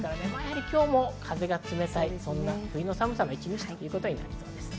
今日も風が冷たい冬の寒さの一日となりそうです。